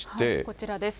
こちらです。